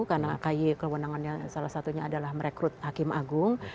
karena ky kewenangannya salah satunya adalah merekrut hakim agung